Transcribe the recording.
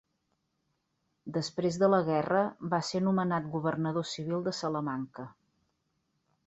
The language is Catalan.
Després de la guerra va ser nomenat Governador civil de Salamanca.